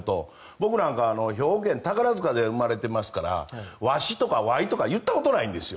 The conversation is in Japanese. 僕は兵庫県の宝塚で生まれていますからワシとかワイとか言ったことないんですよ。